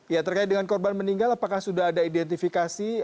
ya terkait dengan korban meninggal apakah sudah ada identifikasi